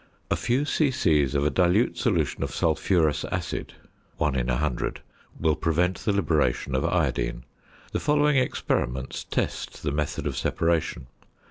A few c.c. of a dilute solution of sulphurous acid (1 in 100) will prevent the liberation of iodine. The following experiments test the method of separation.